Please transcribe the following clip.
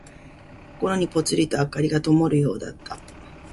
心にぽつりと灯がともるようだった。